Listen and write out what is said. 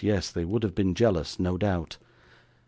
'Yes; they would have been jealous, no doubt.